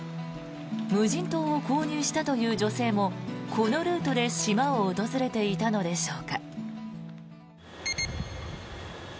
無人島を購入したという女性もこのルートで島を訪れていたのでしょうか。